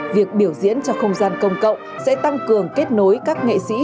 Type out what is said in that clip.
việc biểu diễn cho không gian công cộng sẽ tăng cường kết nối các nghệ sĩ